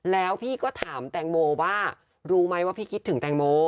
แล้วพี่ก็ถามแตงโมว่ารู้ไหมว่าพี่คิดถึงแตงโม